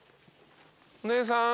お姉さん。